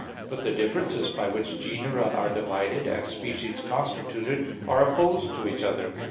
But the differences by which genera are divided, and species constituted, are opposed to each other.